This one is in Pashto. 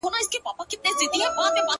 خور وايي وروره! ورور وای خورې مه ځه!